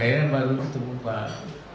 saya baru ketemu pak